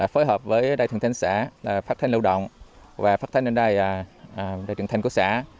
phối hợp với đại trưởng thanh xã phát thanh lưu động và phát thanh lên đài đại trưởng thanh của xã